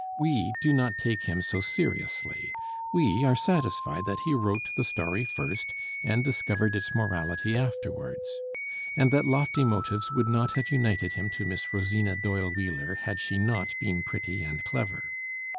We do not take him so seriously: we are satisfied that he wrote the story first and discovered its morality afterwards; and that lofty motives would not have united him to Miss Rosina Doyle Wheeler had she not been pretty and clever.